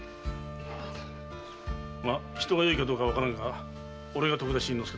まぁ人がよいかどうかはわからぬが俺が徳田新之助だ。